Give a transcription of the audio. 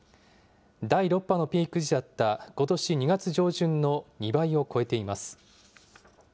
第６波のピーク時だったことし２月上旬の２倍を超えています。